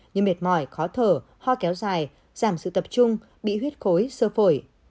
như mệt mỏi khó thở ho kéo dài giảm sự tập trung bị huyết khối sơ phổi